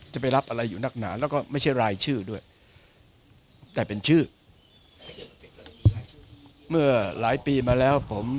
จะไปรับอะไรอยู่นักหนานแล้วก็ไม่ใช่รายชื่อ